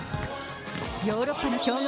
ヨーロッパの強豪